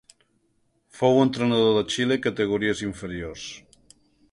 Fou entrenador de Xile a categories inferiors.